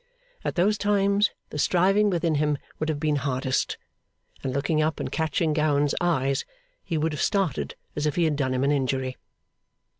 At those times, the striving within him would have been hardest; and looking up and catching Gowan's eyes, he would have started as if he had done him an injury.